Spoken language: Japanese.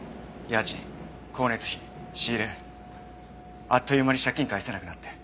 家賃光熱費仕入れあっという間に借金返せなくなって。